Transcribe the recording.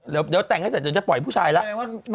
เดี๋ยวแต่งให้เสร็จเดี๋ยวจะปล่อยผู้ชายแล้ว